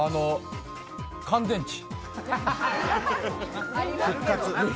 乾電池。